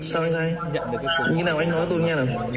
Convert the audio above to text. sao anh thấy như thế nào anh nói tôi nghe được